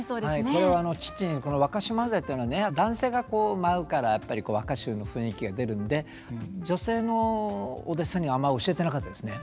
これは父にこの「若衆萬歳」っていうのはね男性が舞うからやっぱり若衆の雰囲気が出るんで女性のお弟子さんにはあんまり教えてなかったですね。